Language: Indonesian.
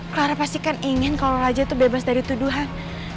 clara pasti kan ingin kalau raja itu bebas dari tuduhan